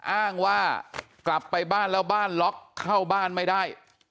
อ้างว่ากลับไปบ้านแล้วบ้านล็อกเข้าบ้านไม่ได้